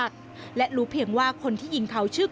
ทำไมเราต้องเป็นแบบเสียเงินอะไรขนาดนี้เวรกรรมอะไรนักหนา